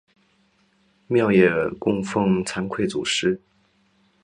庙也供俸惭愧祖师。